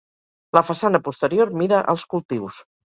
La façana posterior mira als cultius.